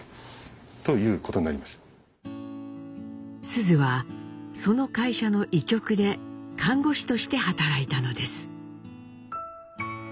須壽はその会社の医局で看護師として働いたのです。